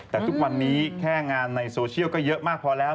แต่ทุกวันนี้แค่งานในโซเชียลก็เยอะมากพอแล้ว